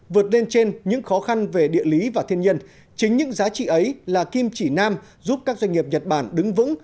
vượt lên trên những khó khăn về địa lý và thiên nhiên chính những giá trị ấy là kim chỉ nam giúp các doanh nghiệp nhật bản đứng vững